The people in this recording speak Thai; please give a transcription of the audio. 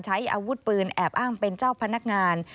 ใช้อาวุธปืนแอบอ้างเป็นเจ้าพนักงาน